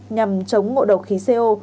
nhằm chống ngộ độc khí co